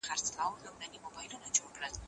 له مسکینانو سره مهرباني وکړئ.